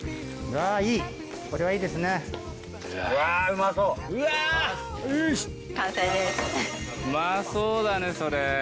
うまそうだねそれ。